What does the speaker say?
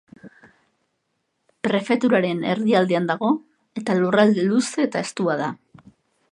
Prefeturaren erdialdean dago eta lurralde luze eta estua da.